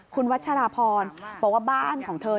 คุณวัชราพรบอกว่าบ้านของเธอ